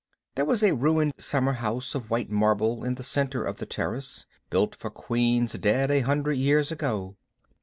There was a ruined summer house of white marble in the center of the terrace, built for queens dead a hundred years ago.